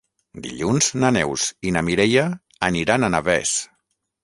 Dilluns na Neus i na Mireia aniran a Navès.